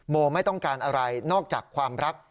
โมไม่ต้องการอะไรนอกจากความรัก